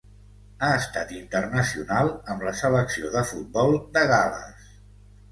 Ha estat internacional amb la Selecció de futbol de Gal·les.